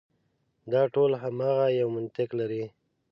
دا ټول هماغه یو منطق لري.